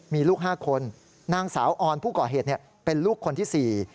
มีลูก๕คนนางสาวออนผู้ก่อเหตุเป็นลูกคนที่๔